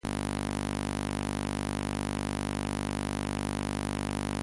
Pero su obra más conocida es "El Quijote.